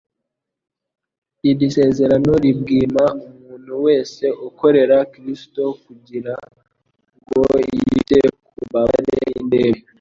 Iri sezerano ribwima umuntu wese ukorera Kristo kugira ngo yite ku mbabare n'indembe.